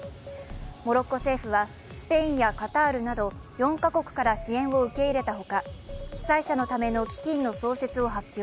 モロッコ政府はスペインやカタールなど４か国から支援を受け入れたほか被災者のための基金の創設を発表。